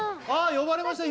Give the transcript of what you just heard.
呼ばれましたよ